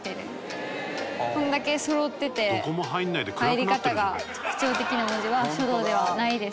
これだけそろってて入り方が特徴的な文字は書道ではないです。